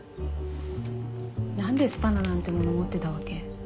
なんでスパナなんてもの持ってたわけ？